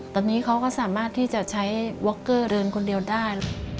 ตอนนี้เขาก็สามารถที่จะใช้ว็อกเกอร์เดินคนเดียวได้